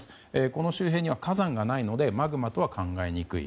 この周辺には火山がないのでマグマとは考えにくい。